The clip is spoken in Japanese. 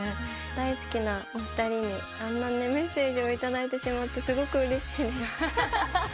大好きなお二人にあんなにメッセージをいただいてしまってすごくうれしいです。